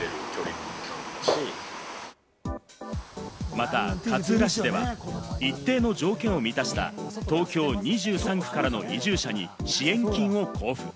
また、勝浦市では一定の条件を満たした東京２３区からの移住者に支援金を交付。